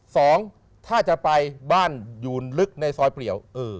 สองถ้าจะไปบ้านอยู่ลึกในซอยเปลี่ยว